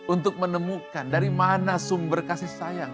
untuk menemukan dari mana sumber kasih sayang